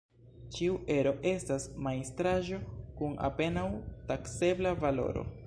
Ĉiu ero estas majstraĵo kun apenaŭ taksebla valoro.